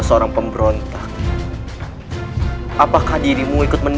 kalau aku bebas dari hukuman